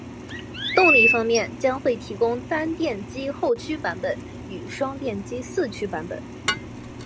动力方面，将会提供单电机后驱版本与双电机四驱版本